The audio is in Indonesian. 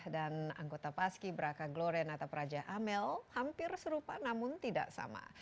dan anggota paski braka gloren atau praja amel hampir serupa namun tidak sama